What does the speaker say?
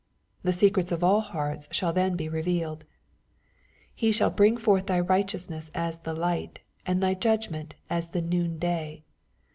The secrets of all hearts shall then be revealed. ^^ He shall bring forth thy right eousness as the light, and thy judgment as the noon day.''